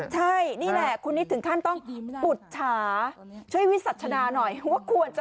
ใช่นี่แหละคุณนิดถึงขั้นต้องปุจฉาช่วยวิสัชนาหน่อยว่าควรจะ